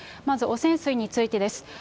まず汚染水についてです。